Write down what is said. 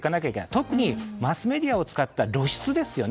特にマスメディアを使った露出ですよね。